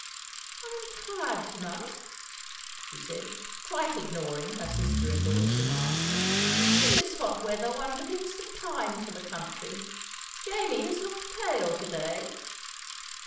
"I am tired to night," she said, quite ignoring her sister in law's remark. "In this hot weather one begins to pine for the country. Jamie has looked pale to day.